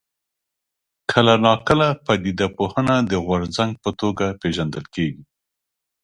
کله ناکله پدیده پوهنه د غورځنګ په توګه پېژندل کېږي.